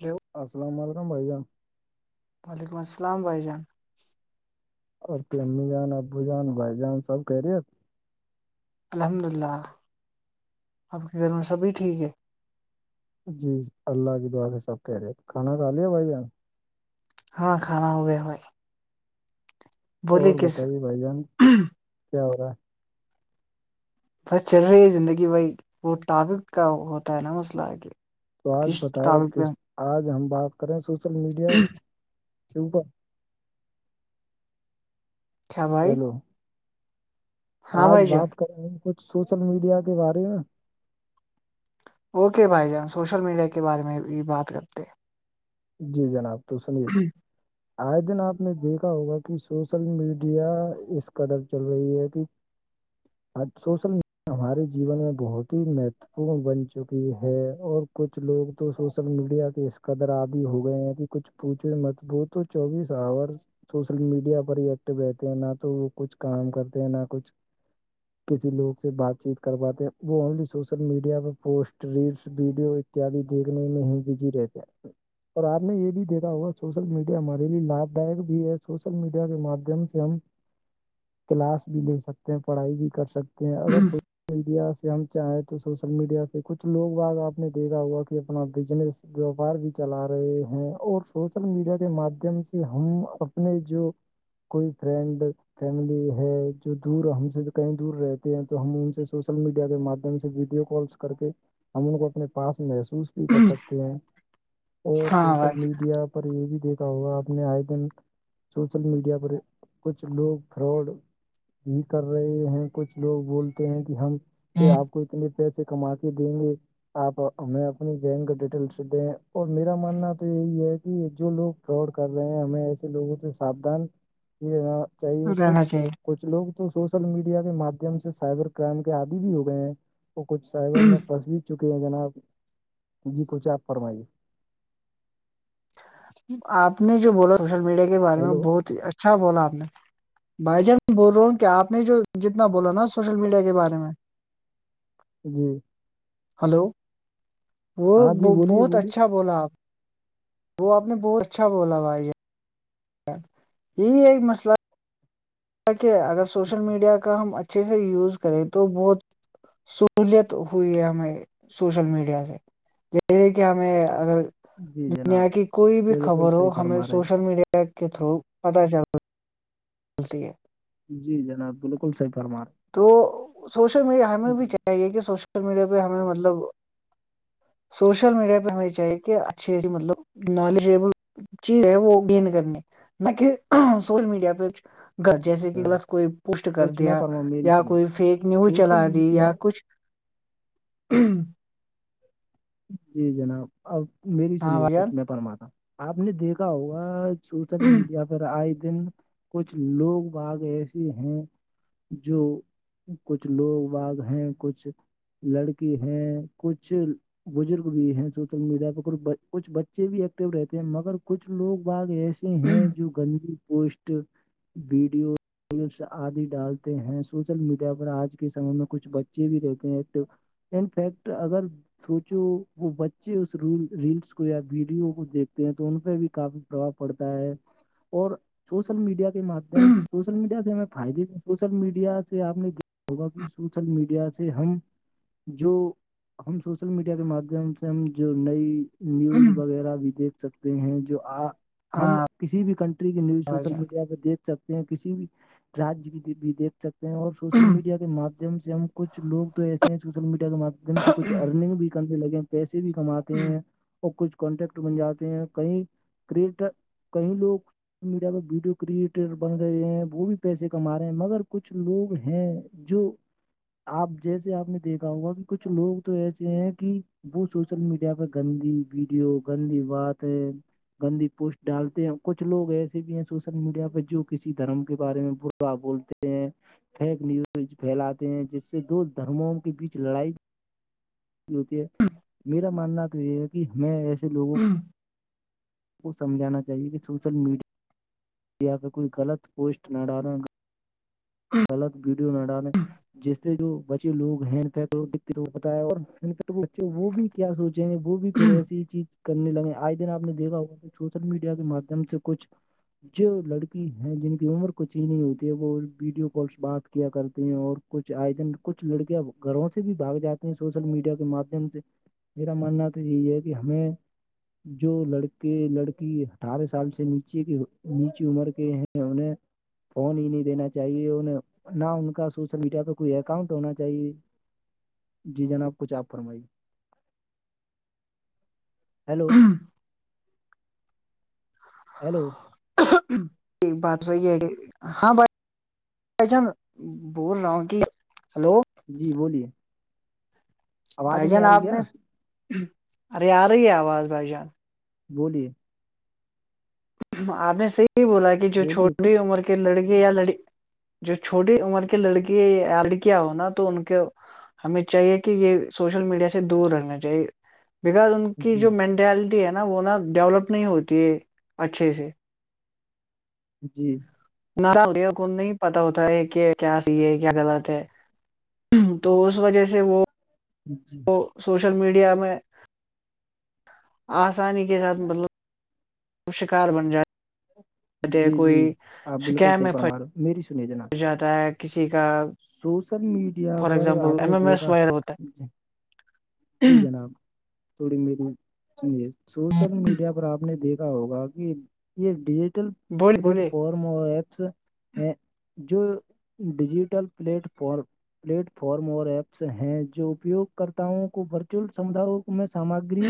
Hello السلام علیکم بھائی جان وعلیکم السلام بھائی جان اور کی امی جان ابو جان بائی جان سب‌ خیریت الحمد للہ آپ کے گھر میں سبھی ٹھیک ہے جی اللہ کی دعا سے سب کہہ رہے کھانا کا لیا بھائی ہاں کھانا ہو گیا بھائی بولیے اور کس بتائیے بھائی جان بس کیا ہو رہا ہے بس چل رہی ہے زندگی بھائی وہ ٹاپک کا ہوتا ہے نا مسئلہ آ کہ تو آج کس بتائے ٹاپک پہ کس آج ہم بات کریں سوشل میڈیا کے اوپر کیا بھائی ہیلو ہاں آج بھائی جان بات کر رہے ہوں کچھ سوشل میڈیا کے بارے میں اوکے بھائی جان سوشل میڈیا کے بارے میں بھی بات کرتے جی جناب تو سنیے ہیں۔ آئے دن آپ نے دیکھا ہوگا کہ سوشل میڈیا اس قدر چل رہی ہے کہ سوشل ہمارے جیون میں بہت ہی مہ بن چکی ہے اور کچھ لوگ تو سوشل میڈیا کی اس قدر آ بھی ہو گئے ہیں کچھ پوچھ مضبوط تو چوبیس آور سوشل میڈیا پر ہی ایکٹو رہتے ہیں نہ تو وہ کچھ کام کرتے ہیں نہ کچھ کسی لوگ سے بات چیت کرواتے ہیں وہ اونلی سوشل میڈیا پر پوسٹ ریلس ویڈیو ب دیکھنے میں ہی بزی رہتے ہیں اور آپ نے یہ بھی دیکھا ہوا سوشل میڈیا ہمارے لیے لابھ دائک بھی ہے سوشل میڈیا کے مادھیم سے ہم کلاس بھی لے سکتے ہیں پڑھائی بھی کر سکتے ہیں اگر سو میڈیا سے ہم چاہیں تو سوشل میڈیا سے کچھ لوگ باگ آپ نے دیکھا ہوا کہ اپنا بزنس ووپار چلا رہے ہیں اور سوشل میڈیا کے مادھیم سے ہم اپنے جو کوئی فرنڈ فیملی ہے جو دور ہم سے کہیں دور رہتے ہیں تو ہم ان سے سوشل میڈیا کے ماددھیم سے ویڈیو کال کر کے ہم ان کو اپنے پاس محسوس بھی کر سکتے ہیں اور ہاں سوشل بھائی میڈیا پر یہ بھی دیکھا ہوگا آپ نے آئے دن سوشل میڈیا پر کچھ لوگ فراڈ بھی کر رہے ہیں کچھ لوگ بولتے ہیں کہ ہم کہ آپ کو اتنے پیسے کما کے دیں گے آپ ہمیں اپنی بینک ڈیٹیلس دیں اور میرا ماننا تو یہی ہے کہ جو لوگ فراڈ کر رہے ہیں ہمیں ایسے لوگوں سے ساابدان یہ لینا چاہیے رہنا کچھ چاہیے کچھ کچھ لوگ تو سوشل میڈیا کے مادھیم سے سائبر کرائم کے آدی بھی ہو گئے ہیں وہ کچھ سائبر میں پھنس بھی چکے ہیں جناب جی کچھ آپ فرمائیے آپ نے جو بولا سوشل میڈیا کے بارے میں ہیلو بہت ہی اچھا بولا آپ نے بھائی جان میں بول رہا ہوں کیا آپ نے جو جتنا بولا نا سوشل میڈیا کے بارے میں جی ہلو وہ ہاں جی بولیے بہت بولیے اچھا بولا آپ وہ آپ نے بہت اچھا بولا با یہ یہی ایک مسئلہ کہہ اگر سوشل میڈیا کا ہم اچھے سے یوز کریں تو بہت سہولیت ہوئی ہے ہمیں سوشل میڈیا سے یہیے کہ ہمیں اگر جی جناب دنیا کی کوئی بھی بالکل خبر ہو صحیح ہمیں فرما رہے ہیں۔ سوشل میڈیا کے تھرو پت چلتا چلتی ہے جی جناب بالکل صحیح فرما تو سوشل میڈیا ہمیں ہیں۔ بھی جی چاہیے کہ سوشل میڈیا پہ ہمیں مطلب سوشل میڈیا پہ ہمیں یہ چاہیے کہ اچھی اھی مطلب نالجیبل چیز ہے وہ گینین کرنی نہ کہ سوشل میڈیا پہ جی جیسے کہ ہاں، غلط کوئی پوسٹ کر کچھ میں دیا پرما میری یا سنی کوئی فیک نیوز سوشل چلا دی میڈیا یا کچھ [inaudible] جی جناب اب میری ہاں سنیے بھائی کچھ جان میں پرما تھا آپ نے دیکھا ہوگا سوشل میڈیا پر آئے دن کچھ لوگ باگ ایسے ہیں جو کچھ لوگ واگ ہیں کچھ لڑکی ہیں کچھ بزرگ بھی ہیں سوشل میڈیا پہ کچھ کچھ بچے بھی ایکٹو رہتے ہیں مگر کچھ لوگ باگ ایس ہیں جو گندی پوسٹ ویڈیو پس آدی ڈالتے ہیں سوشل میڈیا پر آج کے سمے میں کچھ بچے بھی رہتے ہیں تو ان فیکٹ اگر سوچو وہ بچے اس ر ریلس کو یا ویڈیو کو دیکھتے ہیں تو ان پہ بھی کافی پربھؤ پڑتا ہے اور سوشل میڈیا کے مم د سوشل میڈیا سے ہمیں فائدے بھی سوشل میڈیا سے آپ نے ہوگا کہ سوشل میڈیا سے سے ہم جو ہم سوشل میڈیا کے مادم سے ہم جو نئی نیوز وغیرہ بھی دیکھ سکتے ہیں جو آ ہم ہاں کسی بھی کنٹری کی نیوز بھائی سوشل جان میڈیا پہ دیکھ سکتے ہیں کسی بھی راج کی بھی دھ سکتے ہیں اور سوشل میڈیا کے مادم مم سے ہم کچھ لگ تو ایسے ہیں سوشل میڈیا کے مادھیم سے کچھ ارنگ بھی کرنے لگے پیسے بھی کماتے ہیں اور کچھ کانٹیکٹ بن جاتے ہیں کہئی کرٹر کیں لوگ سوشل میڈیا پ ویڈیو کریٹر بن گئے ہیں وہ بھی پیسے کما رہے ہیں مگر کچھ لوگ ہیں جو آپ جیسے آپ نے دیکھا ہوگا کہ کچھ لوگ تو ایسے ہیں کہ وہ سوشل میڈیا پہ گندی ویڈیو گندی باتیں گندی پوسٹ ڈالتے ہیں کچھ لوگ ایسے بھی ہیں سوشل میڈیا پہ جو کسی دھرم کے بارے میں ب بولتے ہیں فیک نیوز پھیلاتے ہیں جس سے دو دھرموں کے بیچ لڑائی ہوتی ہے میرا ماننا یہ ہے کہ میں ایسے لوگوں کو سمجانا چاہیے کہ سوشل میڈیا یا پ کوئی غلط پوسٹ نہ ڈالوں گا غلط بیڈیو نہ ڈالیں جس سے جو بچے لوگ ہینڈ پ دتے پتا اورین بچے وہ بھی کیا سوچ ج نے وہو بھی پرے سے یہ چیز کرنے لگے آئے دن آپ نے دیکھا ہوا کہ سوشل میڈیا کے مادھیم سے کچھ جو لڑکی ہیں جن کی عمر کو چینز نہیں ہوتی ہے وہ ویڈیو بات کیا کرتے ہیں اور کچھ آئےجن کچھ لڑکیاں گھروں سے بھی بھاگ جاتے سوشل میڈیا کے مادھیم سے میرا ماننا تو یہی ہے کہ ہمیں جو لڑکے لڑکی اٹھارہ سال سے نیچے کی نیچی عمر کے ہیں انیں فون ہی نہیں دینا چاہیے نہ ان کا سوشل میڈیا پہ کوئی اکاؤنٹ ہونا چاہیے جی جناب کچھ آپ فرمائی ہلو ہاں ہیلو بات صحی ہے کہ ہاں بھائی جان بول رہا ہوں گ ہلو جی بولیے آواز بھائی نہیں جان آ رہی آپ کیا نے ارے آ رہی ہے آواز بھائی جان بولیے آپ نے صحیح بولا کہ جو بولیے چھوٹی کچھ عمر کے لڑکے یا لڑی جو چھوٹی عمر کے لڑکی لڑکیاں ہو نا تو ان کے ہمیں چاہیے کہ یہ سوشل میڈیا سے دور رہنا چاہیے بکاز ان کی جی جو مینٹیلٹی ہے نا وہ نا ڈیولپ نہیں ہوتی ہے اچھے سے جی نا کو نہیں پتتا ہوتا ہے یہ کہ کیا سیے کیا غلط ہے تو اس وجہ سے وہ ج جی سوشل میڈیا میں آسانی کے ساتھ مطلب شکار بن جائے جی کوئی جی آپ بالکل سکیم صحیح میں پ فرما رہے ہو میری سنیے جناب جات ہوتا ہے کسی کا سوشل میڈیا فار پر آپ ایگزامپل نے ایم ایم ایس دیکھا وغیرہ ہوتا ج ہے جی جناب تھوڑی میرری سے سوشل میڈیا پر آپ نے دیکھا ہوگا کہ یہ ڈیجیٹل بولے پلیٹ بولے فارم اور ایپس ہیں جو digital plate form plate form اور ایپس ہیں جو اپیوگ کرتاؤں کو ورچول سھاؤ میں سامگری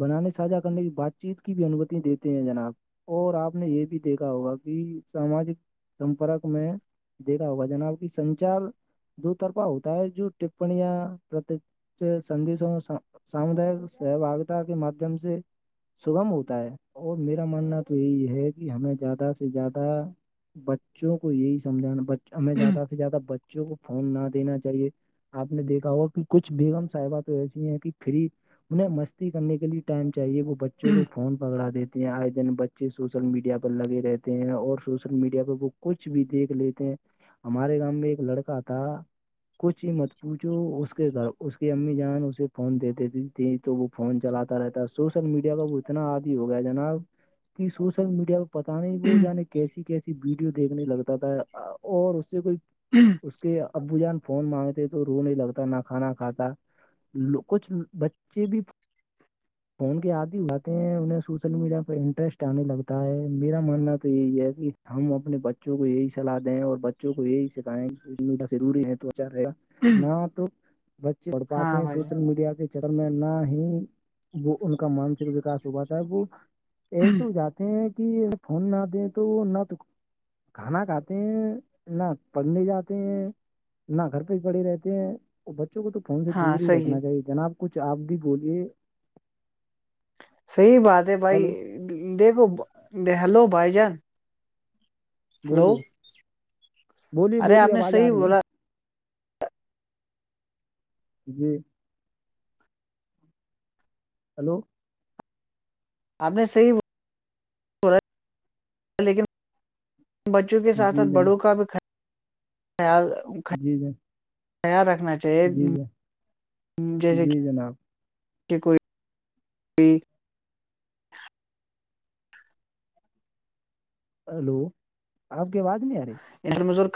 بنانے سھا کرنے کی بات چیت کی بھی انومتی دیتے ہیں جناب اور آپ نے یہ بھی دیکھا ہوگا کہ ساماجک سمپرک میں دیکھا ہوگا جناب کی سنچار دو طرفہ ہوتا ہے جو ٹپنیاں سے سندی س سامودائک سہ باگتا کے مادھیم سے سگم ہوتا ہے اور میرا ماننا تو یہی ہے کہ ہمیں زیادہ سے زیادہ بچوں کو یہی سمجھا ہمیں زیادہ سے زیادہ بچوں کو فون نہ دینا چاہیے آپ نے دیکھا ہوا کہ کچھ بیگم صاحبات تو ایسی ہیں کہ فری انہیں مستی کرنے کے لیے ٹائم چاہیے وہ بچوں کو فون پکڑا دیتے آئے دن بچے سوشل میڈیا پر لگے رہتے ہیں اور سوشل میڈیا پر وہ کچھ بھی دیکھ لیتے ہیں ہمارے گاؤ میں ایک لڑکا تھا کچھ ہی مت پوچھو اس کے گھر اس کی امی جان اسے فون دیتے تھی ت تو وہ فون چلاتا رہتا ہے سوشل میڈیا کا وہ اتنا آدی ہو گیا جناب سوشل میڈیا پت نہیں وہ جعے کیسی کیسی ویڈیو دیکھنے لگتا تھا اور اس سے کوئی ہوں اس کے ابو جان فون مانگتے تو روح نہیں لگتا نہ کھانا کھاتا کچھ بچے بھی فون کے آتی ہو آتے ہیں انہیں سوشل میڈیا پہ انٹرسٹ آنے لگتا ہے میرا ماننا تو یہی ہے کہ ہم اپنے بچوں کو یہی صلاح دیں اور ب کو یہی سکھیں ضروری ہے توا رہے گا نہ تو بچے ہاں پڑھات ہیں بھائی جان، سوشل میڈیا کے چکر میں نہ ہی وہ ان کا مانسک وکاس ہوا تھا ہے وہ ایسے ہو جاتے ہیں کہ فون نہ دیں تو نہ تو کھانا کھاتے ہیں نہ پڑھنے جاتے ہیں نہ گھر پہ ہی پڑھے رہتے ہیں وہ بچوں کو تو فن سے ہاں دور ہی صحیح رکھنا چاہیے جناب کچھ آپ بھی بولیے صحی بات ہے بھائی ہلو دیکھو ہلو بھائی جان ہلو بولی بولی ارے بولی آپ نے آواز آ صحیح رہی ہے بولا جی ہیلو آپ نے صحیح ب لیکن بچوں کے ساتھ ساتھ جی جناب بڑوں کا بھی خیال جی جر خیال رکھنا چاہیے جیسے کہ جی جناب کہ کوئی کو ہلو آپ کی آواز نہیں آ رہی مزورڑ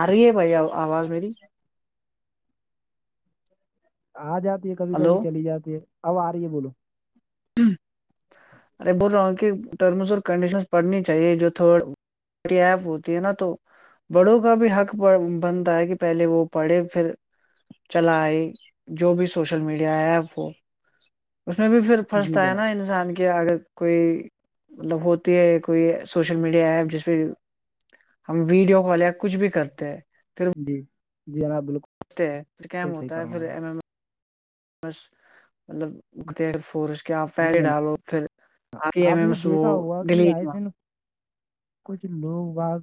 آ رہ ہے بھائی آواز میری آ جاتی ہے کبھی ہلو کبھی چلی جاتی ہے اب آ رہی ہے بولو ارے بول رہا ہوں کہ ٹرمس اور کنڈیشنس پڑھنی چاہیے جو تھرڈ میری ایپ ہوتی ہے نا تو بڑوں کا بھی حقڑ بنتا ہے کہ پہلے وہ پڑھے پھر چلائی جو بھی سوشل میڈیا ایپ وہ اس میں بھی پھر فرسٹ جی ہے جناب نا انسان کے اگر کوئی مطلب ہوتی ہے کوئی سوشل میڈیا ایپ جس پہ ہم ویڈیو کال یا کچھ بھی کرتے ہیں جی جی جناب بالکل پھر کیام صحیح ہوتا ہے پھر فرما رہے بس مطلب ک ا فورس کیا ہیں۔ جی پیسے جناب ڈالو پھر آ ایم آپ نے ایمس وہ دیکھا ہوا کہ دلی آئے دن کچھ لو واگ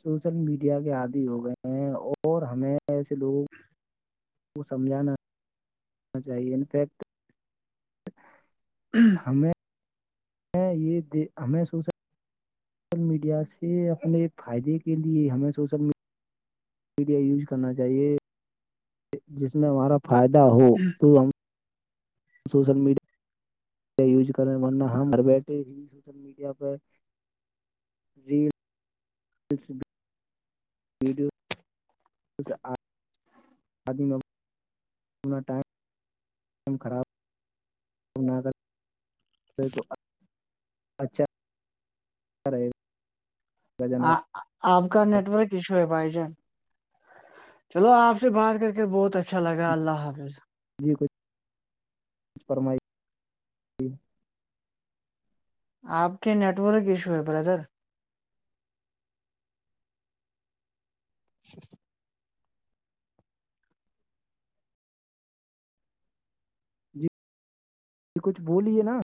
سوشل میڈیا کے عادی ہو گئے ہیں اور ہمیں ایسے لوگ وہ سمجانا چاہیے انفیکٹ ہوں ہم یہ ہمیں سوچا سوشل میڈیا سے اپنے فائدے کے لیے ہمیں سوشل میڈیا میڈیا یوز کرنا چاہیے جس میں ہمارا فائدہ ہو تو ہم سوشل میڈیا یوز کرنے ورنہ ہم بیٹھے ہی سوشل میڈیا پر جی ویڈیو آدو ہمنا ٹائم م خراب کر تو اچھا پے آپ کا نیٹورک کھو ہے بھائی جان چلو آپ سے بات کر کے بہت اچھا لگا اللہ حافظ جی کچھ کچھ فرمائی آپ کے نیٹ ورک ایشو ہے برادر اچ جی کچھ بولیے نا